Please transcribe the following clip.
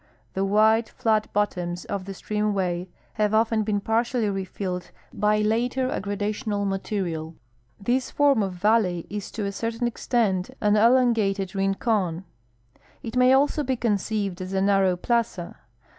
The wide, flat bottoms of the streaiUAvay have often been partially refilled by later aggrada tional material. This form of valley is to a certain extent an elongated rincon. It ma_y also be conceived as a narroAv plaza.